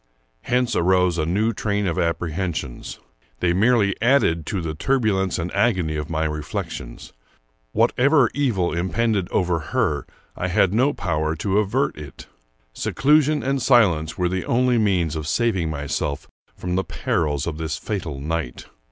Hence arose a new train of apprehensions. They merely added to the turbulence and agony of my reflections. Whatever evil impended over her, I had no power to avert it. Seclusion and silence were the only means of saving myself from the perils of this fatal night.